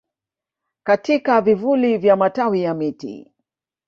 katika vivuli vya matawi ya miti